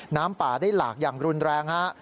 น้ำป่าได้หลากอย่างรุนแรงฮะ